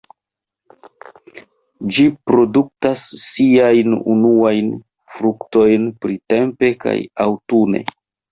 Ĝi produktas siajn unuajn fruktojn printempe kaj aŭtune.